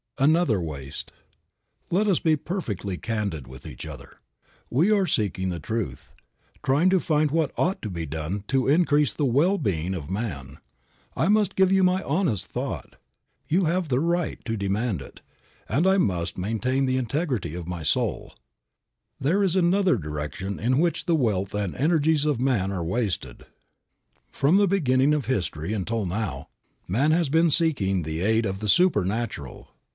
III. ANOTHER WASTE. LET us be perfectly candid with each other. We are seeking the truth, trying to find what ought to be done to increase the well being of man. I must give you my honest thought. You have the right to demand it, and I must maintain the integrity of my soul. There is another direction in which the wealth and energies of man are wasted. From the beginning of history until now man has been seeking the aid of the supernatural.